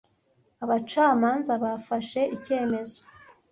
Abacamanza bafashe icyemezo.